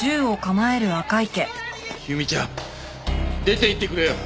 由美ちゃん出ていってくれよ。